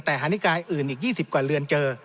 แต่หานิกายอื่นอีก๒๐กว่าเรือนเจอ